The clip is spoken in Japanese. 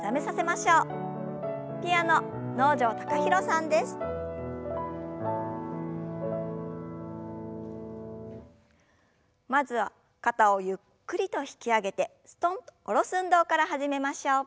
まずは肩をゆっくりと引き上げてすとんと下ろす運動から始めましょう。